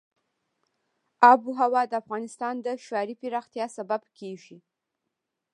آب وهوا د افغانستان د ښاري پراختیا سبب کېږي.